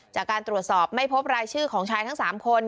จากการตรวจสอบไม่พบรายชื่อของชายทั้ง๓คน